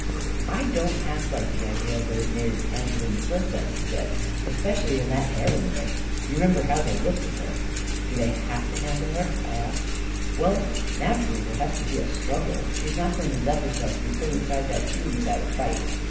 " I don't half like the idea of those natives han dling the Princess," he said; " especially in that A KING IN BABYLON 241 harem rig. You remember how they looked at her." " Do they have to handle her? " I asked. 44 Well, naturally, there has to be a struggle. She's not going to let herself be put inside that tomb without a fight.